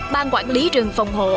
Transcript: ban quản lý rừng phòng hộ